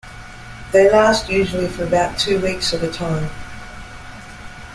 They last usually for about two weeks at a time.